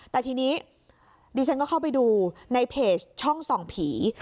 แต่ทีนี้ดิฉันก็เข้าไปดูในเพจช่องส่องผี